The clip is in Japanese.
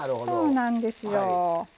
そうなんですよ。